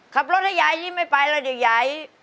ขับรถให้ยายยิ้มไม่ไปแล้วเดี๋ยวยาย